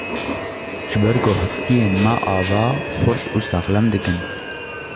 Ji ber ku hestiyên me ava, xurt û saxlem dikin.